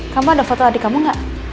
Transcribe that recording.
kamu ada foto adik kamu gak